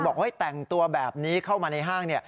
บอกว่าแต่งตัวแบบนี้เข้ามาในห้าง